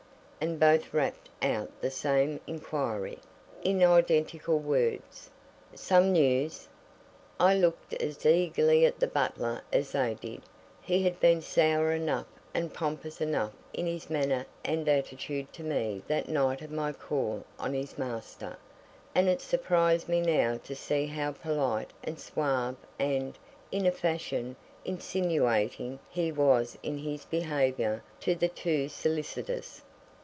And both rapped out the same inquiry, in identical words: "Some news?" I looked as eagerly at the butler as they did. He had been sour enough and pompous enough in his manner and attitude to me that night of my call on his master, and it surprised me now to see how polite and suave and in a fashion insinuating he was in his behaviour to the two solicitors.